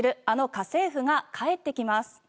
あの家政夫が帰ってきます。